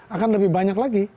akan lebih banyak lagi